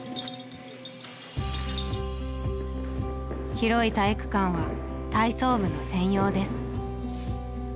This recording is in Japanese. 広い体育館は体操部の専用です。